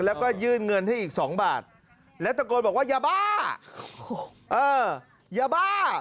แล้วก็ยื่นเงินให้อีกสองบาทแล้วตะโกนบอกว่ายาบ้าเออยาบ้า